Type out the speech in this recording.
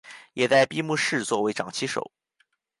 也在闭幕式作为掌旗手。